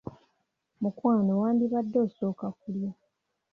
Mukwano wandibadde osooka kulya.